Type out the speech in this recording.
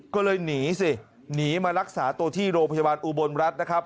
ก็เลยหนีสิหนีมารักษาตัวที่โรงพยาบาลอุบลรัฐนะครับ